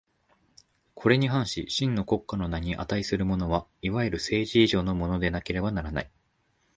これに反し真の国家の名に価するものは、いわゆる政治以上のものでなければならない。